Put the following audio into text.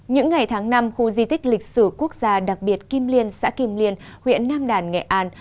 những ngày tháng năm khu di tích lịch sử quốc gia đặc biệt kim liên xã kim liên huyện nam đàn nghệ an